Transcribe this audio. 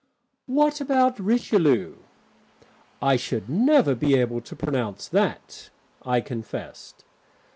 "What about Richelieu?" "I should never be able to pronounce that," I confessed.